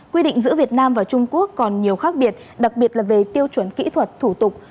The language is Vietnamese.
quy định giữa việt nam và trung quốc còn nhiều khác biệt đặc biệt là về tiêu chuẩn kỹ thuật thủ tục